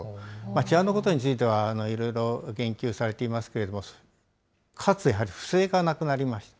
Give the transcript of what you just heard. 治安のことについては、いろいろ言及されていますけども、かつやはり不正がなくなりました。